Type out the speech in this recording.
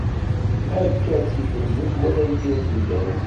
Akka ttif lmut wala yir tudert.